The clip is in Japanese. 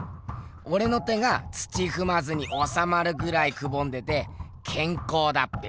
おれの手が土ふまずにおさまるぐらいくぼんでてけんこうだっぺよ！